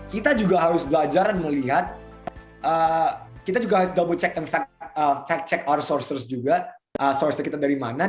kita juga harus belajar dan melihat kita juga harus double check and fact check our sources juga sources kita dari mana